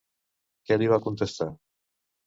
Què li va contestar?